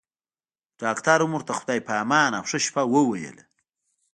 ډاکټر هم ورته خدای په امان او ښه شپه وويله.